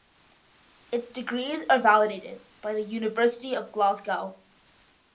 Its degrees are validated by the University of Glasgow.